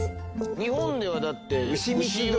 日本ではだって丑はね。